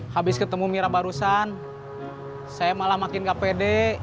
habis ketemu mira barusan saya malah makin gak pede